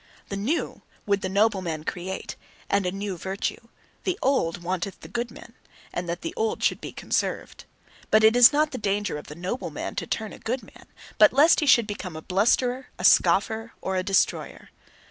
The new, would the noble man create, and a new virtue. The old, wanteth the good man, and that the old should be conserved. But it is not the danger of the noble man to turn a good man, but lest he should become a blusterer, a scoffer, or a destroyer.